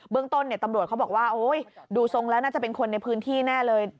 ต้นตำรวจเขาบอกว่าโอ้ยดูทรงแล้วน่าจะเป็นคนในพื้นที่แน่เลย